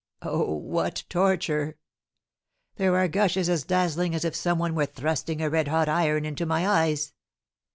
Oh, what torture! There are gushes as dazzling as if some one were thrusting a red hot iron into my eyes.